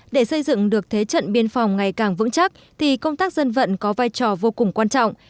để xây dựng được thế trận biên phòng ngày càng vững chắc thì công tác dân vận có vai trò vô cùng quan trọng